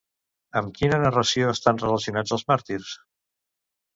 Amb quina narració estan relacionats els màrtirs?